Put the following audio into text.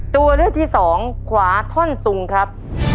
ตัวเลือกที่สองขวาท่อนซุงครับ